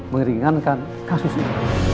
meringankan kasus ini